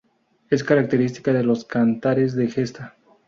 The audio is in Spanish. Es característica de los cantares de gesta.